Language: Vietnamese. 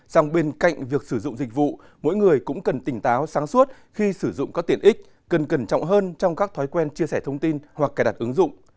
rằng bên cạnh việc sử dụng dịch vụ mỗi người cũng cần tỉnh táo sáng suốt khi sử dụng có tiện ích cần cẩn trọng hơn trong các thói quen chia sẻ thông tin hoặc cài đặt ứng dụng